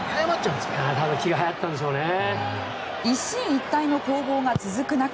一進一退の攻防が続く中。